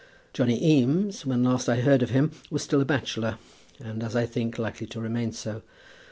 Johnny Eames, when last I heard of him, was still a bachelor, and, as I think, likely to remain so.